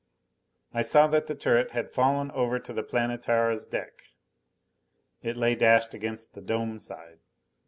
I saw that the turret had fallen over to the Planetara's deck. It lay dashed against the dome side.